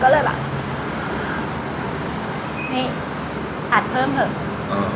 ก็เลยแบบนี่อัดเพิ่มเถอะ